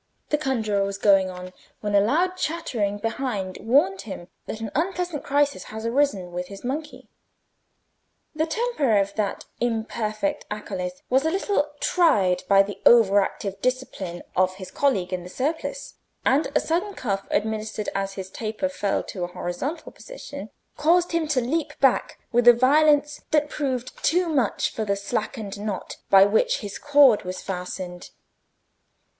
The conjuror was going on, when a loud chattering behind warned him that an unpleasant crisis had arisen with his monkey. The temper of that imperfect acolyth was a little tried by the over active discipline of his colleague in the surplice, and a sudden cuff administered as his taper fell to a horizontal position, caused him to leap back with a violence that proved too much for the slackened knot by which his cord was fastened.